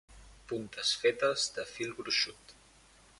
Puntes fetes de fil gruixut.